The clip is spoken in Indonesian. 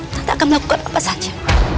nanti akan melakukan apa saja